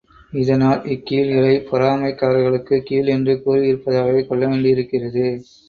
இதனால் இக்கீழ்களைப் பொறாமைக்காரர்களுக்கும் கீழ் என்று கூறியிருப்பதாகவே கொள்ளவேண்டியிருக்கிறது.